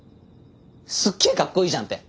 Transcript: すっげえかっこいいじゃんって。